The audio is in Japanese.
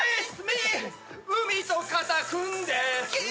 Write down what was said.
海と肩組んで